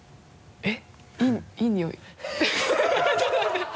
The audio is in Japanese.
えっ？